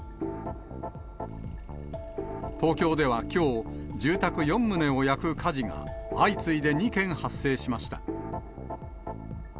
東京ではきょう、住宅４棟を焼く火事が、相次いで２件発生しました。